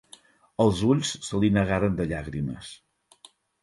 Els ulls se li negaren de llàgrimes.